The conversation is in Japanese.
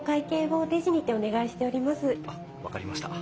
あっ分かりました。